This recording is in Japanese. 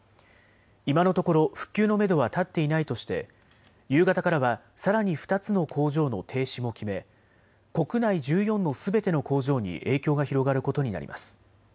今のところ復旧のめどは立っていないとして夕方からはさらに２つの工場の停止も決め、国内１４のすべての工場に影響が広がることになります。